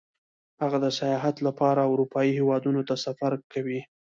هغه د سیاحت لپاره اروپايي هېوادونو ته سفر کوي